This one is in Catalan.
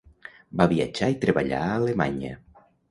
Va viatjar i treballar a Alemanya.